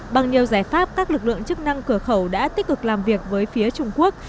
bằng nhiều giải pháp các lực lượng chức năng cửa khẩu đã tích cực làm việc với phía trung quốc